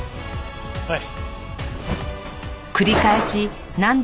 はい。